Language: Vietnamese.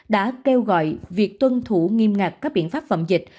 đã kêu gọi việc tuân thủ nghiêm ngặt các biện pháp phòng dịch